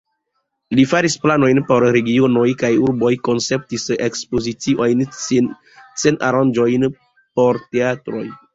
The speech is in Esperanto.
Li faris planojn por regionoj kaj urboj, konceptis ekspoziciojn, scen-aranĝojn por teatroj.